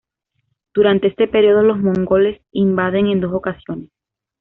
Durante este período, los mongoles invaden en dos ocasiones.